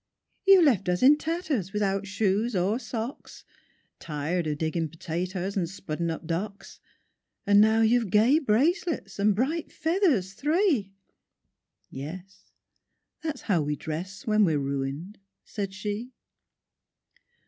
—"You left us in tatters, without shoes or socks, Tired of digging potatoes, and spudding up docks; And now you've gay bracelets and bright feathers three!"— "Yes: that's how we dress when we're ruined," said she.